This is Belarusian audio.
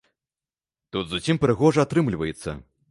Тут зусім прыгожа атрымліваецца.